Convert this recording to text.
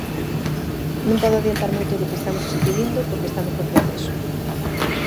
Non podo adiantar moito do que estamos escribindo porque estamos no proceso.